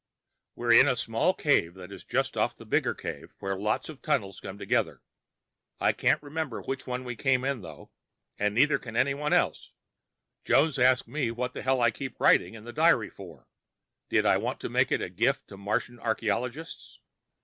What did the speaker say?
We're in a small cave that is just off a bigger cave where lots of tunnels come together. I can't remember which one we came in through, and neither can anyone else. Jones asked me what the hell I kept writing in the diary for, did I want to make it a gift to Martian archeologists?